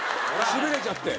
しびれちゃって。